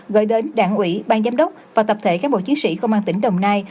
gửi đến đảng ủy bang giám đốc và tập thể cán bộ chiến sĩ công an tỉnh đồng nai